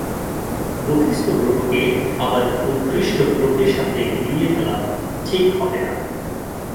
বহিঃস্থ গ্রহকে আবার উৎকৃষ্ট গ্রহের সাথে গুলিয়ে ফেলা ঠিক হবে না।